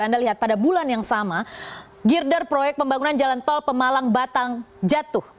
anda lihat pada bulan yang sama girder proyek pembangunan jalan tol pemalang batang jatuh